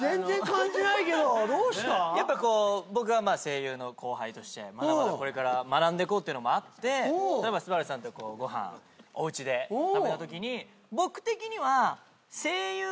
やっぱこう僕は声優の後輩としてまだまだこれから学んでこうっていうのもあって昴さんとご飯おうちで食べたときに僕的には。